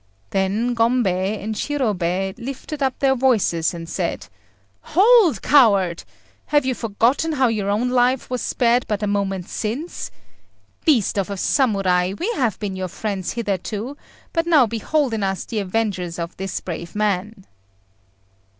Then Gombei and Shirobei lifted up their voices and said "Hold, coward! Have you forgotten how your own life was spared but a moment since? Beast of a Samurai, we have been your friends hitherto, but now behold in us the avengers of this brave man."